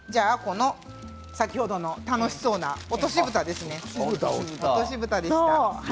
先ほどの楽しそうな落としぶたでした。